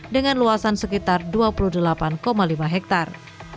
dengan luasan sekitar dua puluh delapan lima hektare